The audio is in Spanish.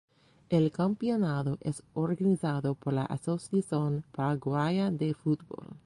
El campeonato es organizado por la Asociación Paraguaya de Fútbol.